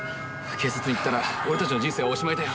警察行ったら俺たちの人生おしまいだよ。